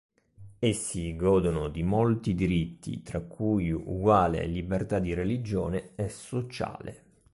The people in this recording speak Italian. Essi godono di molti diritti, tra cui uguale libertà di religione e sociale.